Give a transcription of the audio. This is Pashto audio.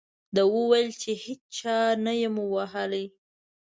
ده وویل چې هېچا نه یم ووهلی.